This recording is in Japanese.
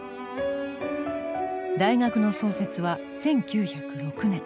大学の創設は１９０６年。